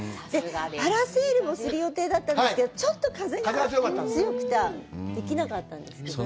パラセーリングもする予定だったんですけど、ちょっと風が強くて、できなかったんですよね。